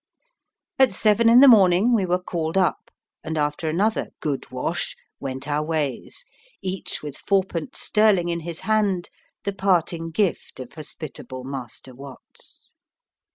At seven in the morning we were called up, and after another "good wash," went our ways, each with fourpence sterling in his hand, the parting gift of hospitable Master Watts.